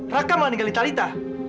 raka malah ninggalin talitha